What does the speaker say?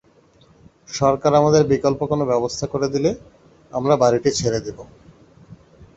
সরকার আমাদের বিকল্প কোনো ব্যবস্থা করে দিলে আমরা বাড়িটি ছেড়ে দেব।